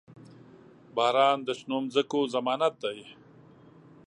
• باران د شنو ځمکو ضمانت دی.